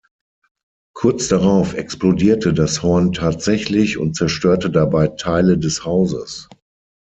Kurz darauf explodierte das Horn tatsächlich und zerstörte dabei Teile des Hauses.